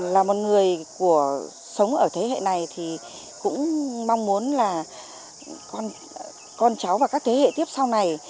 là một người của sống ở thế hệ này thì cũng mong muốn là con cháu và các thế hệ tiếp sau này